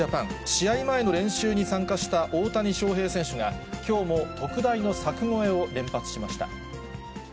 試合前の練習に参加した大谷翔平選手が、きょうも特大の柵越えを連発しました。